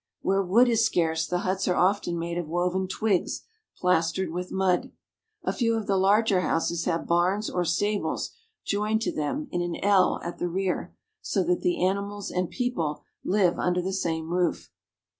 Where wood is scarce the huts are often made of woven twigs plastered with mud. A few of the larger houses have barns or stables joined to them in an L at the rear, so that the animals and people live under the same roof.